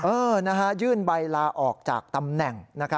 ยื่นใบลาออกจากตำแหน่ง